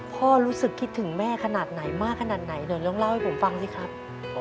รู้สึกคิดถึงแม่ขนาดไหนมากขนาดไหนเดี๋ยวลองเล่าให้ผมฟังสิครับ